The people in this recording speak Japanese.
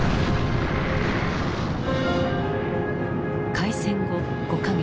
開戦後５か月。